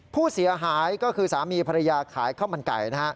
ผู้เสียหายก็คือสามีภรรยาขายข้าวมันไก่นะฮะ